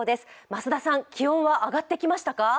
増田さん、気温は上がってきましたか？